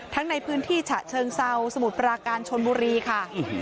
ในพื้นที่ฉะเชิงเซาสมุทรปราการชนบุรีค่ะ